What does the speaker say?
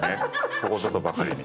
ここぞとばかりに。